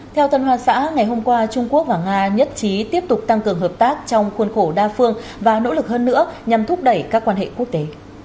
theo tân hoa xã ngày hôm qua trung quốc và nga nhất trí tiếp tục tăng cường hợp tác trong khuôn khổ đa phương và nỗ lực hơn nữa nhằm thúc đẩy các quan hệ quốc tế